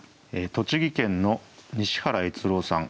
栃木県の西原悦郎さん